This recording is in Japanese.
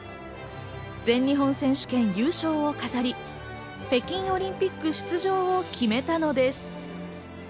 全日本選手権優勝を飾り、北京オリンピック出場を決めたのです。